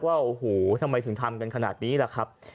ว่าโอ้โหทำไมถึงทำกันขนาดนี้ล่ะครับ